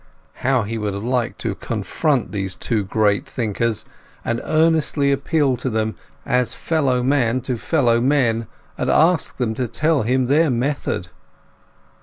How he would have liked to confront those two great thinkers, and earnestly appeal to them as fellow man to fellow men, and ask them to tell him their method!